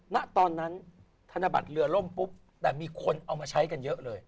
ณตอนนั้นธนบัตรเรือล่มปุ๊บแต่มีคนเอามาใช้กันเยอะเลย